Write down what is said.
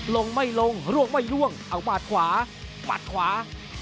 ลงไม่ลงร่วงไม่ย่วงเอาหมัดขวาหมัดขวา